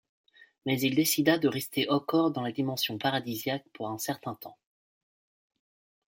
Mais il décida de rester encore dans la dimension paradisiaque pour un certain temps.